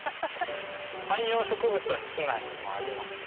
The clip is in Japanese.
観葉植物は室内にもあります。